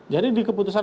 jadi di keputusan